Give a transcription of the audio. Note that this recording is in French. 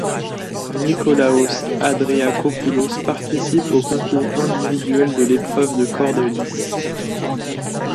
Nikólaos Andriakópoulos participe au concours individuel de l'épreuve de corde lisse.